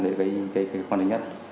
đấy là cái khó khăn thứ nhất